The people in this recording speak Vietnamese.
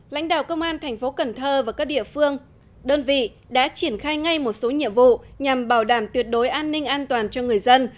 lãnh đạo công an thành phố cần thơ và các địa phương đơn vị đã triển khai ngay một số nhiệm vụ nhằm bảo đảm tuyệt đối an ninh an toàn cho người dân